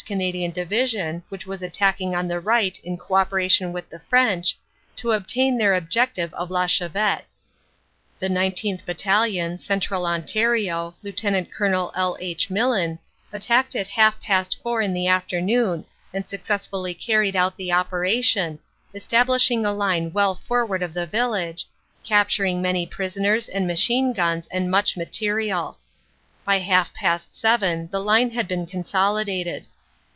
Canadian Division, which was attacking on the right in co operation with the French, to obtain their objective of La Chavette. The 19th. Battalion, Central Ontario, Lt. Col. L. H. Millen, attacked at half past four in the afternoon and successfully carried out the operation, establishing a line well forward of the village, capturing many prisoners and machine guns and much material. By half past seven the line had been consolidated.